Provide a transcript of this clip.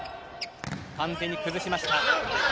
完全に崩しました。